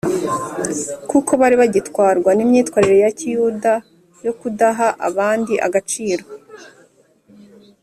kuko bari bagitwarwa n’imyitwarire ya Kiyuda yo kudaha abandi agaciro